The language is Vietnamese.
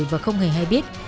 và không hề hay biết